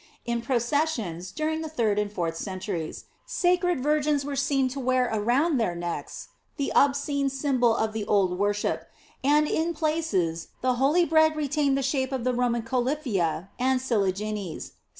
In processions, during the third and fourth centuries, sacred virgins were seen to wear round their necks the obscene symbol of the old worship, and in places the holy bread retained the shape of the Roman coliphia and siligines. St.